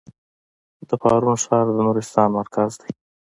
د پارون ښار د نورستان مرکز دی